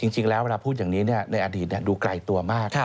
จริงแล้วเวลาพูดอย่างนี้ในอดีตดูไกลตัวมาก